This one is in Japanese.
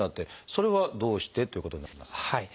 それはどうしてということになりますか？